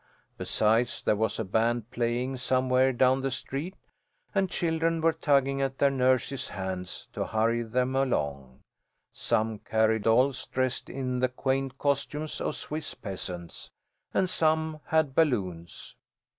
Besides, there was a band playing somewhere down the street, and children were tugging at their nurses' hands to hurry them along. Some carried dolls dressed in the quaint costumes of Swiss peasants, and some had balloons.